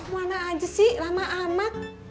mana aja sih lama amat